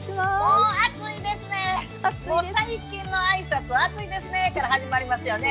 もう最近の挨拶は「暑いですね」から始まりますよね。